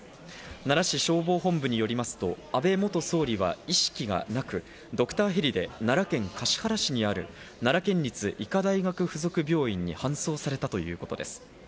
奈良市消防本部によりますと安倍元総理は意識がなく、ドクターヘリで奈良県橿原市にある奈良県立医科大学附属病院に搬送されたということです。